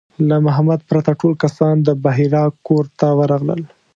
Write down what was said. له محمد پرته ټول کسان د بحیرا کور ته ورغلل.